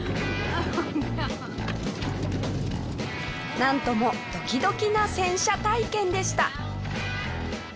なんともドキドキな洗車体験でした。